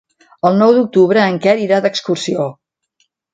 El nou d'octubre en Quer irà d'excursió.